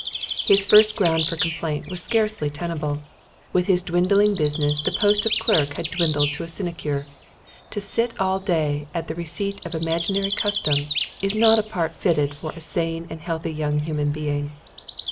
His first ground for complaint was scarcely tenable; with his dwindling business the post of clerk had dwindled into a sinecure. To sit all day at the receipt of imaginary custom is not a part fitted for a sane and healthy young human being.